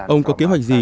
ông có kế hoạch gì